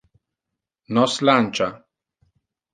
Nos luncha.